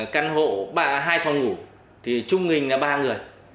căn hộ hai phòng ngủ thì trung bình là ba người